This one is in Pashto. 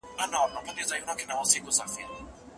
که املا سمه نه وي پړه یې پر شاګرد اچول کېږي.